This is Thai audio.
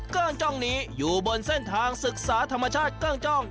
เกิ้งจ้องนี้อยู่บนเส้นทางศึกษาธรรมชาติเกิ้งจ้อง